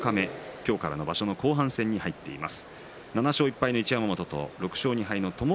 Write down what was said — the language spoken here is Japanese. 今日から、場所の後半戦に入っています。